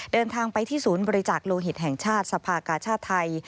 เดินทางไปที่ศูนย์บริจาคโลหิตแห่งชาติสภากาชาติไทย